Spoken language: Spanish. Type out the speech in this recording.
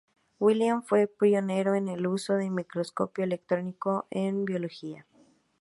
Williams fue pionero en el uso del microscopio electrónico en Biología.